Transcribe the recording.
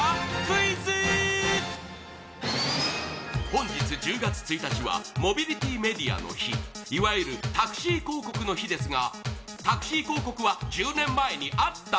本日１０月１日はモビリティメディアの日いわゆるタクシー広告の日ですが、タクシー広告は１０年前にあった？